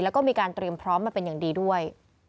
แล้วก็มีการเตรียมพร้อมมาเป็นอย่างดีด้วย